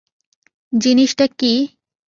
জিনিস টা কি?